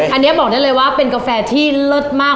อันนี้บอกได้เลยว่าเป็นกาแฟที่เลิศมาก